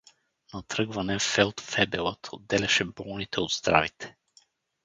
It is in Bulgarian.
На тръгване фелдфебелът отделяше болните от здравите.